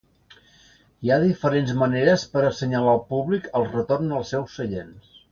Hi ha diferents maneres per a assenyalar al públic el retorn als seus seients.